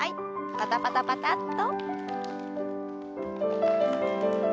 パタパタパタッと。